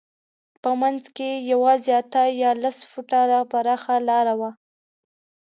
په منځ کې یې یوازې اته یا لس فوټه پراخه لاره وه.